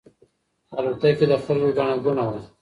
په الوتکه کې د خلکو ګڼه ګوڼه وه.